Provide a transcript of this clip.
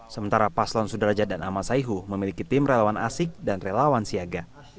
sementara paslon sudrajat dan amal saihu memiliki tim relawan asik dan relawan siaga